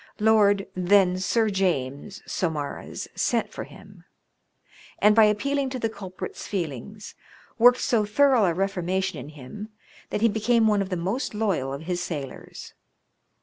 Lord, then Sir James, Sau marez, sent for him, and by appealing to the culprit's feelings, worked so thorough a reformation in him that he became one of the most loyal of his sailor^.